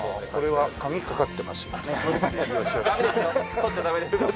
とっちゃダメですよ。